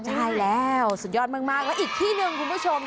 ใช่แล้วสุดยอดมากแล้วอีกที่หนึ่งคุณผู้ชม